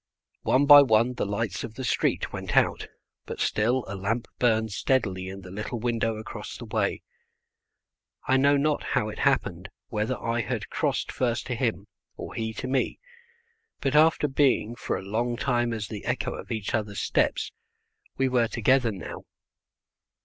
One by one the lights of the street went out, but still a lamp burned steadily in the little window across the way. I know not how it happened, whether I had crossed first to him or he to me, but, after being for a long time as the echo of each other's steps, we were together now.